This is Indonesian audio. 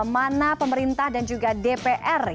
mana pemerintah dan juga tursilawati yang menangani kebenaran